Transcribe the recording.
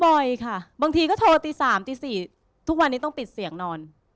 บ่อยค่ะบางทีก็โทรตี๓ตี๔ทุกวันนี้ต้องปิดเสียงนอน